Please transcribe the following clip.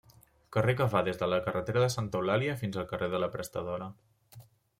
Carrer que va des de la carretera de Santa Eulàlia fins al carrer de l'Aprestadora.